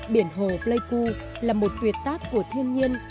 biển hồ lê cô là một tuyệt tác của thiên nhiên